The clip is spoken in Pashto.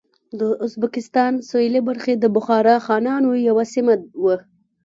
د ازبکستان سوېلې برخې د بخارا خانانو یوه سیمه وه.